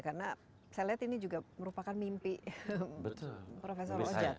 karena saya lihat ini juga merupakan mimpi profesor ojat